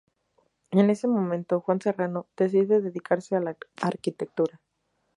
En ese momento, Juan Serrano, decide dedicarse a la arquitectura.